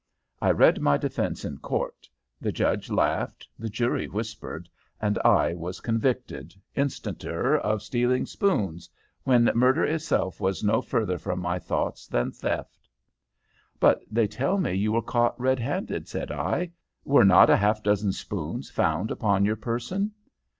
I read my defence in court. The judge laughed, the jury whispered, and I was convicted instanter of stealing spoons, when murder itself was no further from my thoughts than theft." "But they tell me you were caught red handed," said I. "Were not a half dozen spoons found upon your person?"